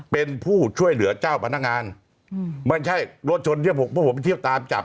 เป็นผู้ช่วยเหลือเจ้าพนักงานไม่ใช่รถชนเทียบผมเพราะผมไปเที่ยวตามจับ